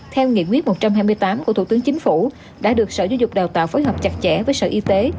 theo nghị quyết một trăm hai mươi tám của thủ tướng chính phủ đã được sở giáo dục đào tạo phối hợp chặt chẽ với sở y tế